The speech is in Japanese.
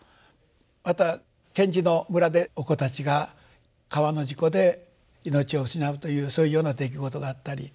また賢治の村でお子たちが川の事故で命を失うというそういうような出来事があったり。